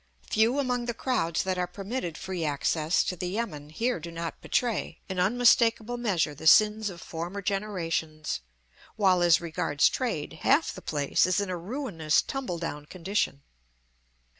Few among the crowds that are permitted free access to the yamen here do not betray, in unmistakable measure, the sins of former generations; while, as regards trade, half the place is in a ruinous, tumble down condition.